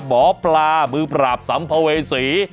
หมอปลามือปราบสัมภเวษี